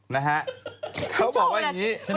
นะฮะเขาบอกว่าอย่างนี้